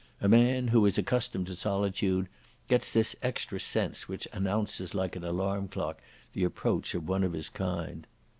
A man who is accustomed to solitude gets this extra sense which announces like an alarm clock the approach of one of his kind.